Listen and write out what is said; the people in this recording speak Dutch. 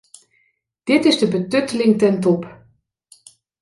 Dit is de betutteling ten top.